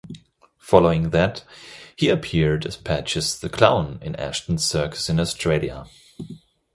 Following that, he appeared as Patches the Clown in Ashton's Circus in Australia.